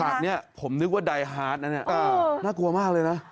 ชั้นนี้ผมนึกว่าดายฮาร์ดนั่นน่ากลัวมากเลยนะ